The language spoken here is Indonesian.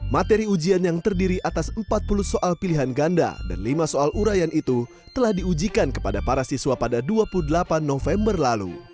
materi ujian yang terdiri atas empat puluh soal pilihan ganda dan lima soal urayan itu telah diujikan kepada para siswa pada dua puluh delapan november lalu